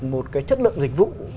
một cái chất lượng dịch vụ